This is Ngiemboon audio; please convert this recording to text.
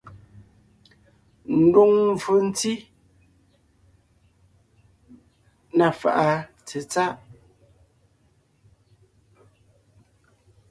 Ndùŋmvfò ntí (na fàʼa tsetsáʼ).